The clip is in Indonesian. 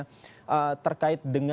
mungkin bapak bisa berkoordinasi nantinya